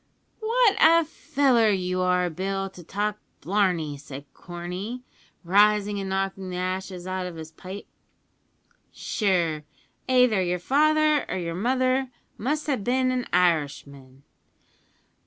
"What a feller you are, Bill, to talk blarney," said Corney, rising and knocking the ashes out of his pipe; "sure, aither yer father or yer mother must have bin an Irishman."